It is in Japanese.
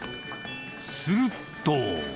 すると。